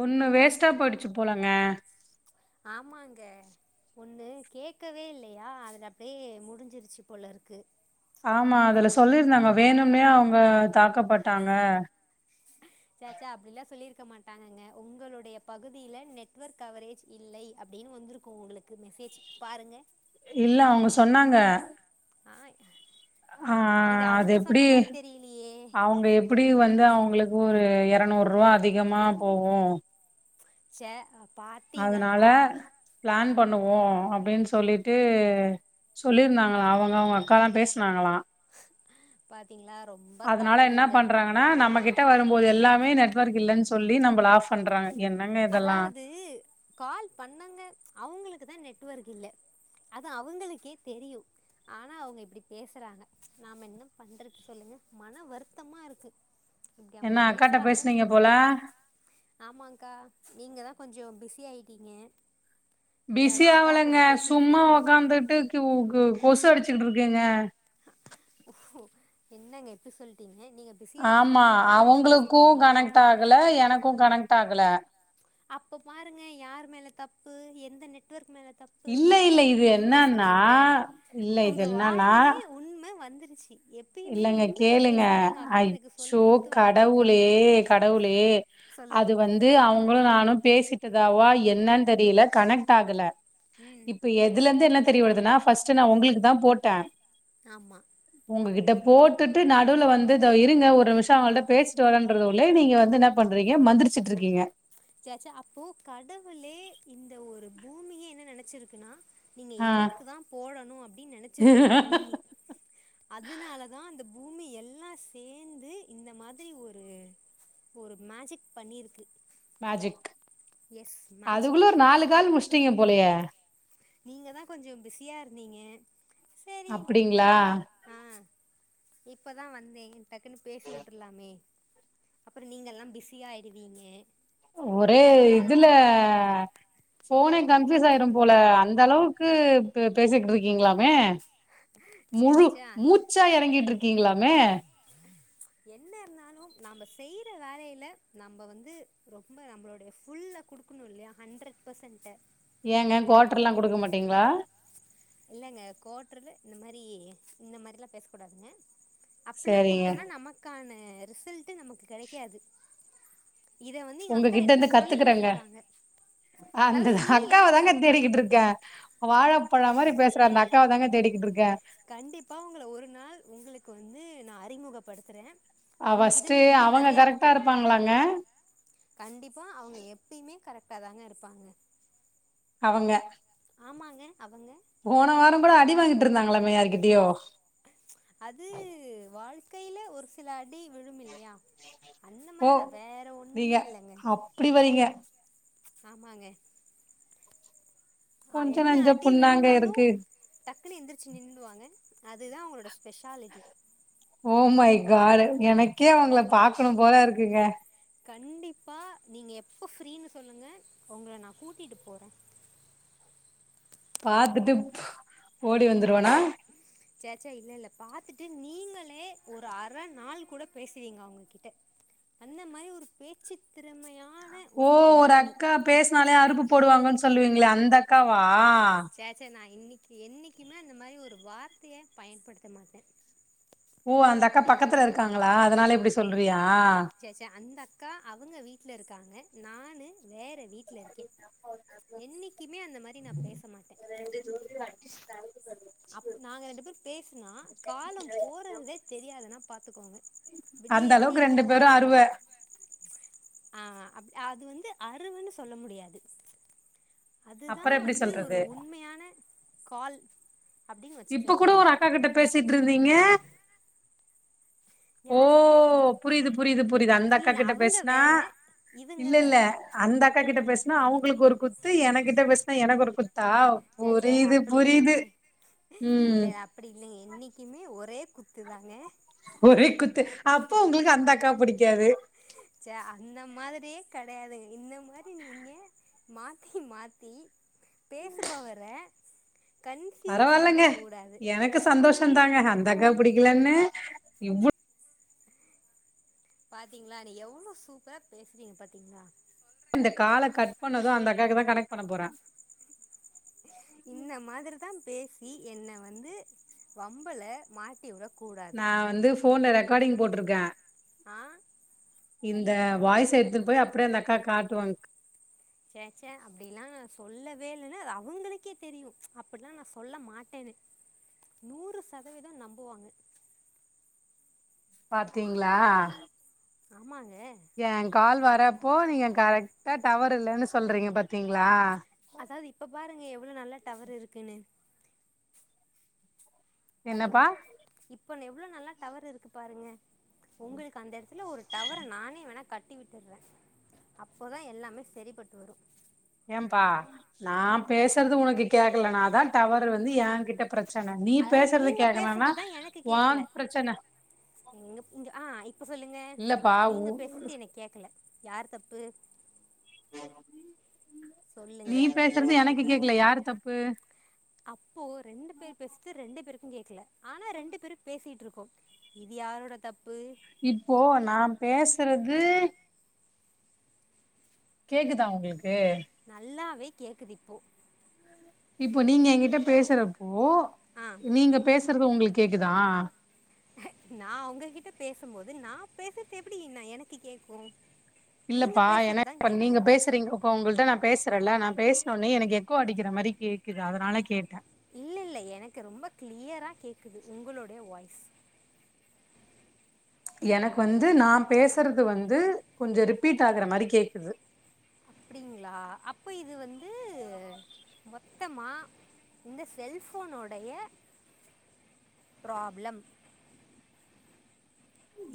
ஒண்ணு வே ஸ்டா போயிடுச்சு போலங்க க ஒண்ணு கேட்கவே இல்லையா அதுல அப்டியே முடிஞ்சிருச்சு போலருக்கு ஆமா அதுல சொல்லிருந்தாங்க வேணும்னே அவங்க தாக்கப்பட்டாங்க சச அப்டிலா சொல்லிருக்க மாட்டாங்கங்க உங்களுடைய பகுதியில நெட்வொர்க் கவரேஜ் இல்லை அப்டின்னு வந்திருக்கு உங்களுக்கு மெசேஜ் பாருங்க இல்ல அவங்க சொன்னாங்க அ அது எப்டி அவுங்க எப்புடி வந்து அவங்களுக்கு ஒரு எரநூறு ரூவா அதிகமா போகும் ச அதனால பிளான் பண்ணுவோ அப்படின் சொல்லிட்டு சொல்லியிருந்தாங்களா அவங்க அவங்க அக்கா தா பேசினாங்களா பாத் அதனால என்ன பண்றாங்கனா நம்ம கிட்ட வரு போது எல்லாமே நெட்வொர்க் இல்லன் சொல்லி நம்மள ஆஃப் பண்றாங் அதாவது கால் பண்ணங்க அவுங்களுக்கு தான் நெட் வர்க் இல்ல அது அவுங்களுக்கே தெரியும் ஆனா அவுங்க இப்படி பேசுறாங்க நாம என்ன பண்றது சொல்லுங்க மன வருத்தமா இருக்கு இப்டி அவங்க பேசுறாங்கன்னு தெரியும் ஆமாகா நீங்க தா கொஞ்ச பிஸி ஆயிட்டீங்க பிஸி ஆவலங்க சும்மா உக்காந்துட்டு கு கு கொசு அடிச்சு ட்டு இருக்கேங்க ஓ என்னங்க இப்டி சொல்ட்டீங்க ஆமா அவுங்களுக்கு கனெக்ட் ஆகல எனக்கு கனெக்ட் ஆகல அப்ப பாருங்க யார் மேல தப்பு எந்த நெட்வொர்க் மேல தப்பு நீங்க சொல்லுங்க உங்க வாயிலே உண்மை வந்துட் சி இல்லங்க கேளுங்க அச்சோ கடவுளே கடவுளே அது வந்து அவுங்களு நானு பேசிட்டதாவா என்னன் தெரியில கனெக்ட் ஆகல இப்ப எதுல இருந்து என்ன தெரிய வருதுனா ஃபர்ஸ்ட் நா உங்களுக்கு தா போட்ட ஆமா கிட்ட போட்டுட்டு நடுவுல வந்து இதோ இருங்க ஒரு நிமிஷ அவங்கள்ட பேசிட்டு வரன்றதுள்ளே நீங்க வந்து என்ன பண்றீங்க மந்திரிச்சுட்டு இருக்கீங்க சச அப்போ கடவுளே இந்த ஒரு பூமியே என்ன நினைச்சிருக்குன்னா நீங்க எனக்கு தா போடனு அப்படின் நெனைச்சிருக்கு இந்த பூமி அதுனாலதா அந் பூமி எல்லா சேந்து இந்த மாதிரி ஒரு ஒரு மேஜிக் பண்ணிருக்கு மேஜிக் அதுகுள்ள ஒரு நாலு கால் முடுச்டீங்க போலயே நீங்க தா கொஞ்சோ பிஸியா இருந்தீங்க சேரி நானே அ இப்பதா வந்தே டக்குனு பேசி வுட்ருலாமே அப்பறோ நீங்கல்லா பிஸியா ஆய்டுவீங்க ஒரே இதுல ஃபோன்னே கன்ஃயூஸ் ஆய்ரு போல அந்த அளவுக்கு பே பேசிட்டு இருகீங்ளாமே முழு மூச்சா எறங்கிட்ருகீங்ளாமே என்ன இருந்தாலு நம்ம செய்ற வேலயில நம்ப வந்து ரொம்ப நம்ளோட ஃபுல்லா குடுக்ணு இல்லயா ஹண்ட்ரட் பர்சன்ட ஏங்க குவாட்ருல்லா குடுக்க மாடீங்ளா இந்த மாரி இந்த மாத்ரில்லா பேச கூடாதுங்க அப்புல்லா கொடுதோனா நமகானு அ ரிசல்ட் நமக்கு கெடைகாது உங்ககிட்ட இருந்து கத்துக்றேங்க அந்த அக்காவ தாங்க தேடிகிட்டு இருகே வாழபழ மாரி பேசுற அந்த அக்காவ தாங்க கண்டிப்பா உங்கள ஒரு நாள் உங்ளுக்கு வந்து நா அறிமுகபடுத்றே அவுங்ககிட்ட இருந்து நீங்க இன்னு நெறய கத்துக்லா கண்டிப்பா அவங்க எப்பயுமே கரெக்ட் கரெக்டா தாங்க இருபாங்க அவங்க ஆமாங்க அவ்ங்க போன வாரோ கூட அடி வாங்கிட் இருந்தாங்ளாமே யார்கிட்டயோ அது வாழ் கையில ஒரு சில அ ஓ நீங்க அப்டி வரீங்க ஆமாங்க ஆ என்ன அடி விழுந்தாலு டக்குனு எந்ருச்சு நின்ட்டுவாங்க அதுதா அவுங்ளோட ஸ்பெஷாலிட்டி ஓம் மை காட் எனக்கே அவுங்ள பாக்கணு போல இருகுங்க கண்டிப்பா நீங்க எப்ப ஃப்ரீன்னு சொல்லுங்க உங்கள நா கூட்டிட்டு போறே பாத்துட்டு ஓடி வந்ருவேனா சேச்சா இல்ல இல்ல பாத்துட்டு நீங்ளே ஒரு அர நாள் கூட பேசுவீங்க அவுங்கிட்ட அந்த மாரி ஒரு பேச்சு திறமையா ஓ ஒரு அக்கா பேஸ்னாலே அறுப்பு போடுவாங்க சொல் சொல்லுவீங்களே அந்த அக்காவா என்னைக்குமே அந்த மாதிரி ஒரு வார்த்தைய பயன்படுத்த மாட்ட ஓ அந்த அக்கா பக்கத்துல இருக்காங்களா அதனால இப்டி சொல்றியா சரி சரி அந்த அக்கா அவுங்க வீட்ல இருக்காங்க நானு வேற வீட்ல இருக்கே என்னிக்குமே அந்த மாறி நா பேச மாட்ட அப் நாங்க ரெண்டு பேரு பேசனா கால போறதே தெரியாதுனா பாத் த்துக்கோங்க விடிய விடிய கூட வெறு அறுவ ஆ அப் அது வந்து அருவன்னு சொல்ல முடியாது அதுதா வந்து ஒரு உண்மையான கால் இப்ப கூட ஒரு அக்கா கிட்ட பேசிட்டு இருந்தீங்க ஓ புரிது புரிது புரிது அந்த அக்கா கிட்ட பேசுனா இல்ல இல்ல அந்த அக்கா கிட்ட பேசு னா அவுங்களுக்கு ஒரு குத்து என கிட்ட பேசனா எனக்கு ஒரு குத் ச ச அப்டி இல்லைங்க இல்ல அப்டி இல்லைங்க என்னைக்குமே ஒரே குத்துதாங்க ஓ குத்து அப்போ உங்களுக்கு அந்த அக்கா புடிக்காது ச்ச அந்த மாதிரி கெடயாதுங்க இந்த மாத்தி மாத்தி பேசுபவர பரவால்லங்க எனக்கு சந்தோஷ தாங்க அந்தக்கா புடிக்கலன்னு இவ் பாத்தீங்களா நீ எவ்ளோ சூப்பரா பேசுறீங்க பாத்தீங்ளா இந்த கால கட் பண்ணது அந்த அக்காக்கு தா கனெக் இந்த மாதிரிதா பேச இ என்ன வந்து வம்பல மாட்டி உட நா வந்து போன்ல ரெக்கார்டிங் போட்டுரு க ஆ இந்த வாய்ஸ் எடுத்துன்ட் போய் அப்டே அந்த அக்கா காட்டுவாங் சச அப்டிலா நா சொல்லவே இல்லன்னு அது அவுங்களுக்கே தெரியு அப்டிலா நா சொல்ல மாட்டேன்னு நூறு சதவீதோ நம்புவாங்க பாத்திங்ளா ஏன் கால் வரப்போ நீங்க கரெக் டா டவர் இல்லன்னு சொல்றீங்க பாத்திங்களா டவர் இருக்குன்னு பாத்தீங்கன்னா இப்ப இப்ப எவ்ளோ நல்லா டவர் இருக்கு பாருங்க உங்களுக்கு அந்த இடத்துல ஒரு டவர நானே வேணா கட்டி விட்டுறே அப்போதா எல்லாமே சரிப்பட்டு வரும் ஏம்பா நா பேசுறது உனக்கு கேக்கலனா தா டவர் வந்து என் கிட்ட பிரச்சன நீ பேசுறது கேக்கலனா ஓன் பிரச்சன இல்லப்பா உ யார் தப்பு நீ பேசுறது எனக்கு கேக்கல யாரு தப் பு அப்போ ரெண்டு பேர் பெஸ்ட்டு ரெண்டு பேரு கு கேக்கல ஆனா ரெண்டு பேரு பேசிட்டு இருக் ஓகே இது யாரோட தப் இப்போ நா பேசறது கேக்குதா உங்களுக் நல்லாவே கேக்குது இப்போ இப்போ நீங்க எங்கிட்ட பேசுறப் போ நீங்க பேசுறது உங்களுக் கேக்குதா நா உங்ககிட்ட பேசும்போது நா பேசுறது எப்டி நா எனக்கு கேக்கு இல்லப்பா எனக்கு [inaudible] நீங்க பேசுறீங்க இப்ப உங்கள்ட்ட நா பேசுறேன்ல நா பேசு னோனே எனக்கு எக்கோ அடிக்கிற மாரி கேக்குது அதனால கேட்டே இல்ல இல்ல எனக்கு ரொம்ப கிளியரா கேக்குது உங்களுடைய வாய்ஸ் எனக்கு வந்து நா பேசுறது வந்து கொஞ்சோ ரிப்பீட் ஆகுற மாரி கேக்குது அப்டிங்களா அப்ப இது வந்து மொத்தமா இந்த செல்போனுடைய ப்ராப்ளம்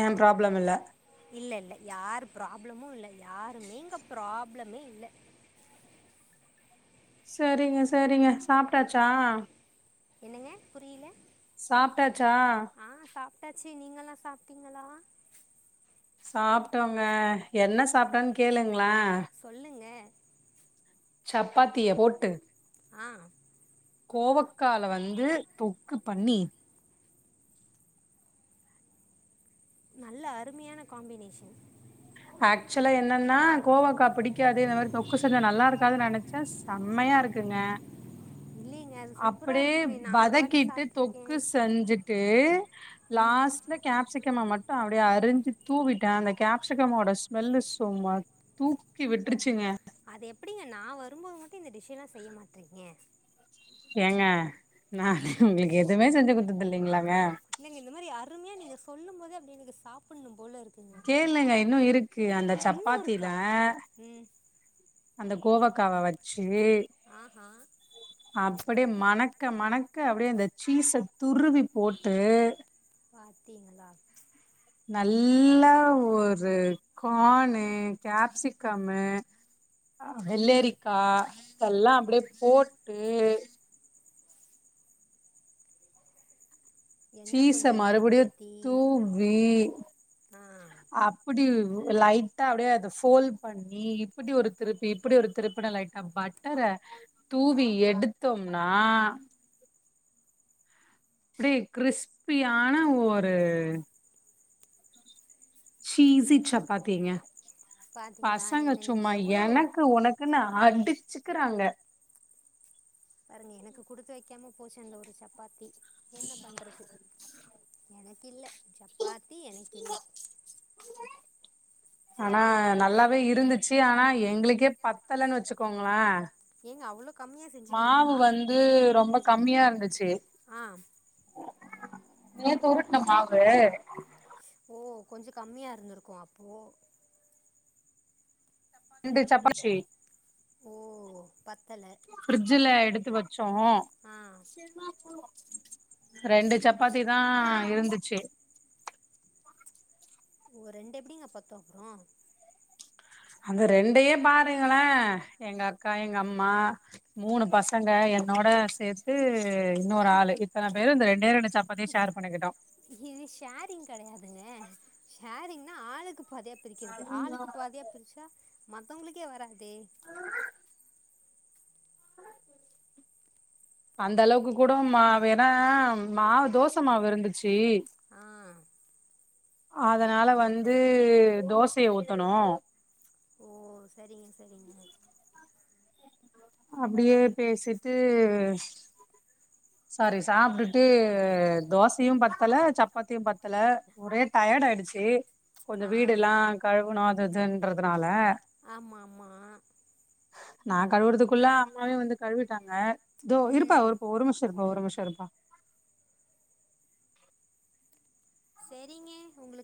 ஏ ப்ராப்ளம் இல்ல இல்ல இல்ல யாரு ப்ராப்ளமு இல்ல யாருமே இங்க ப்ராப்ளமே இல்ல சரிங்க சரிங்க சாப்ட்டாச்சா என்னங்க புரில சாப்ட்டாச்சா [unintelligible] நீங்கல்லா சாப்ட்டீங்களா சாப்ட்டோங்க என்ன சாப்ட்டோன்னு கேளுங் சொல்லுங்க சப்பாத்திய போட்டு ஆ கோவக்கால வந்து தொக்கு பண்ணி நல்ல அருமையான காம்பினேஷன் ஆக்சுவலா என்னன்னா கோவாக்கா புடிக்காது இந்த மாரி தொக்கு செஞ்சா நல்லா இருக்காதுன்னு நெனைச்சே செம்மையா இருக்குங்க அப்டியே வதக்கிட்டு தொக்கு செஞ்சுட்டு லாஸ்ட்ல கேப்சிக்கம மட்டு அப்டியே அறுஞ்சு தூவிட்டே அந்த கேப்ஸ் கேப்சிகமோட ஸ்மெல்லு சும்மா தூக்கி விட்டுருச்சுங்க அது எப்டிங்க நா வரும்போது மட்டு இந்த டிஷல்லா செய்ய மாட்றீங்க ஏங்க நானே உங்களுக்கு எதுவுமே செஞ்சு குடுத்தது இங்க இந்த மாதிரி அருமையா நீங்க சொல்லும் போதே அப்படி எனக்கு சாப்பிடணு கேளுங்க இன்னு இருக்கு அந்த சப்பாத்தில அந்த கோவக்கவவச்சு ச அப்படிய மனக்கு க்க மணக்க அப்படியே இந்த சீஸ்ச துருவி போட்டு பாத்தீங்களா நல்லா ஒரு கானு கேப்சிக்கமு வெள்ளரிக்கா இதெல்லா அப்படியே போட்டு சீஸ்ச மறுபடியு தூவி அப்படி லைட்டா அப்படியே அதை ஃஃபோல் பண்ணி இப்படி ஒரு திருப்பி இப்படி ஒரு திருப்பின லைட்டா பட்டர தூவி எடுத்தோம்னா அப்படிய கிறிஸ்பியான ஒரு சீஸ்சி சப்பாத்திங்க பசங்க சும்மா எனக்கு உனக்குன்னா அடிச்சுக்கிறாங்க எனக்கு குடுத்து வைக்காம போச்சே அந்த ஒரு சப்பாத்தி என்ன பண்றது எனக்கு இல்ல சப்பாத்தி த்தி எனக்கு இல்ல ஆனா நல்லாவே இருந்துச்சு ஆனா எங்களுக்கே பத்தலன்னு வச்சுக்கோங்கள மாவு வந்து ரொம்ப கம்மியா இருந்துச்சு நேத்துருட்ன மாவு ஓ கொஞ்ச கம்மியா இருந்திருக்கு அப்போ ரண்டுசாப்பாச்சி பிரிட்ஜ்ல எடு வச் சோ ரெண்டு சப்பாத்தி தா இருந்துச்சு ஓ ரெண்டு எப்படிங்க பத்தோ அந்த ரெண்டையே பாருங்களே எங்க அக்கா எங்க அம்மா மூணு பசங்க என்னோட சேத்து இன்னொரு ஆளு இத்தன பேரு இந்த ரெண்டே ரெண்டு இது ஷேரிங் கிடையாதுங்க ஷேரிங் ஆளுக்கு பாதியா பிரிக்கிறது ஆளுக்கு பாதியா பிரிச்சா மத்தவங்களுக்கே வரா தே அந்த அளவுக்கு கூட மா வேணா மாவு தோச மாவு இருந்துச்சு ஆ அதனால வந்து தோசைய ஊத்தணு ஓ சரிங்க சரிங்க அப்படியே பேசிட்டு சரி சாப்டுட்டு தோசையு பத்தல சப்பாத்தியு பத்தல ஒரே டயர்ட் ஆயிடுச்சு கொஞ்ச வீடு எல்லா கழுவனு அது அது கிறத்துனால ஆமா ஆமா நா கழுவுறதுக்குள்ள அம்மாவே வந்து கழுவிட்டாங்க இதோ இருப்பா ஒருப்ப ஒரு நிமிஷோ ஒரு நிமிஷோ இருப்பா சேரிங்க உங்களுக்கு